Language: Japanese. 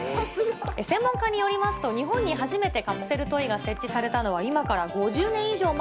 専門家によりますと、日本で初めてカプセルトイが設置されたのは、今から５０年以上前。